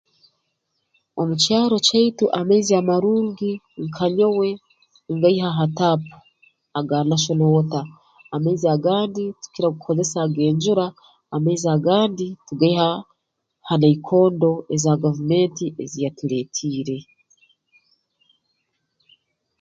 Omu kyaro kyaitu amaizi amarungi nka nyowe ngaiha ha taapu aga National Water amaizi agandi tukira kukozesa ag'enjura amaizi agandi tugaiha ha naikondo eza gavumenti ezi yatuleetiire